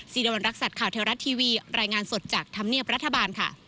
วรรณรักษัตริย์ข่าวเทวรัฐทีวีรายงานสดจากธรรมเนียบรัฐบาลค่ะ